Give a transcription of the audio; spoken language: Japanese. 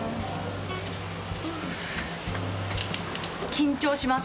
緊張します。